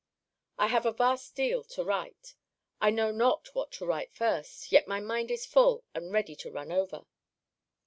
I have a vast deal to write. I know not what to write first. Yet my mind is full, and ready to run over.